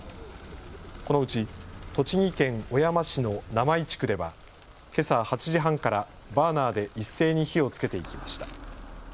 このうち栃木県小山市の生井地区ではけさ８時半からバーナーで一斉に火をつけていきました。